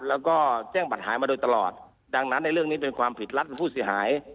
แล้วก็แจ้งบัตรหายมาโดยตลอดดังนั้นในเรื่องนี้เป็นความผิดรัฐหรือผู้เสียหาย